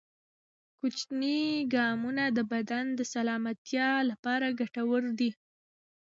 کوچني ګامونه د بدن د سلامتیا لپاره ګټور دي.